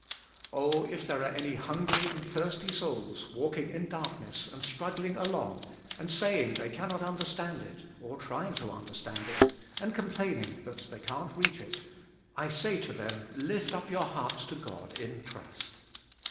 Oh, if there are any hungry and thirsty souls, walking in darkness and struggling along, and saying they cannot un derstand it, or trying to understand it, and complain ing that they can't reach it, I say to them, lift up your hearts to God in trust.